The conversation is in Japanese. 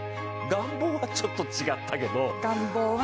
願望はちょっと違ったけど。